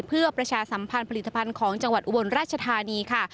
เพื่อประชาสัมพันธ์ผลิตภัณฑ์ของจังหวัดอุบลราชธานีค่ะ